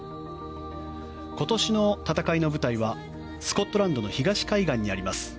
今年の戦いの舞台はスコットランドの東海岸にあります